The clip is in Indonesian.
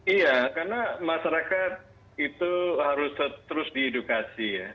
iya karena masyarakat itu harus terus di edukasi ya